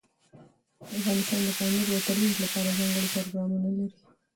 افغانستان د پامیر د ترویج لپاره ځانګړي پروګرامونه لري.